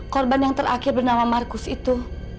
korban yang terakhir bernama marcus itu